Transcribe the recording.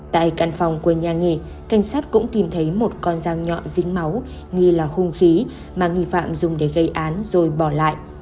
tại căn phòng của nhà nghỉ canh sát cũng tìm thấy một con rào nhọn dính máu nghi là hung khí mà nghị phạm dùng để gây án rồi bỏ lại